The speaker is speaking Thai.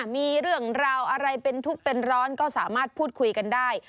มีเรื่องราวอะไรเป็นทุกข์เป็นร้อนก็สามารถพูดคุยกันได้